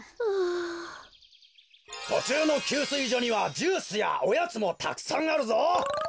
とちゅうの給水所にはジュースやおやつもたくさんあるぞ！